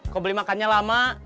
kok beli makannya lama